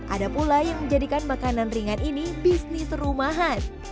ada pula yang menjadikan makanan ringan ini bisnis rumahan